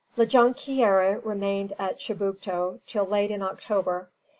La Jonquière remained at Chibucto till late in October.